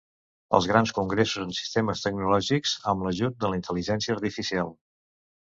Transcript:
Els grans congressos, en sistemes tecnològics, amb l’ajut de la intel·ligència artificial.